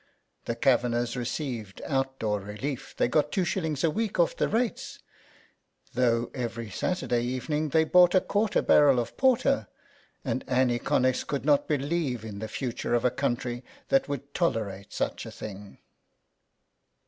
The Kavanaghs received out door relief; they got 2s. a week off the rates, though every Saturday evening they bought a quarter barrel of porter, and Annie Connex could not believe in the future of a country that would tolerate such a thing.